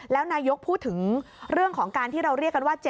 แล้วนายกพูดถึงเรื่องของการที่เราเรียกกันว่า